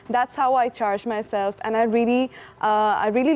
itu adalah cara saya menguruskan diri saya